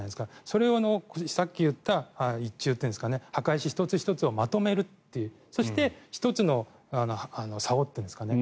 それをさっき言った１柱というんですかね墓石１つ１つをまとめるというそして１つのさおっていうんですかね